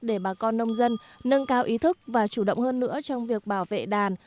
để bà con nông dân nâng cao ý thức và chủ động hơn nữa trong việc bảo vệ đàn